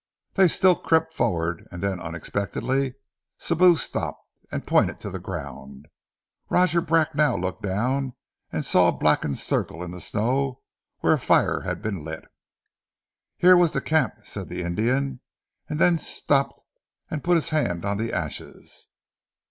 They still crept forward, and then unexpectedly Sibou stopped, and pointed to the ground. Roger Bracknell looked down and saw a blackened circle in the snow where a fire had been lit. "Here was the camp," said the Indian, and then stopped and put his hand on the ashes.